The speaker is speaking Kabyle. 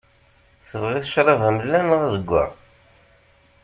Tebɣiḍ crab amellal neɣ azeggaɣ?